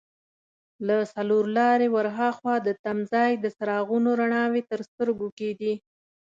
له څلور لارې ور هاخوا د تمځای د څراغونو رڼاوې تر سترګو کېدې.